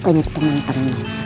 itu banyak teman teman